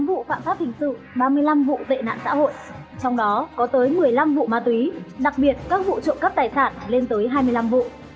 một mươi vụ phạm pháp hình sự ba mươi năm vụ tệ nạn xã hội trong đó có tới một mươi năm vụ ma túy đặc biệt các vụ trộm cắp tài sản lên tới hai mươi năm vụ